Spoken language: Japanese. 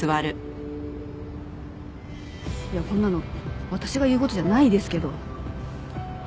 いやこんなの私が言う事じゃないですけど。